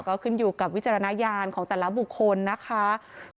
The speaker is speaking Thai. ก็ขึ้นอยู่กับวิจารณญาณของแต่ละบุคคลนะคะ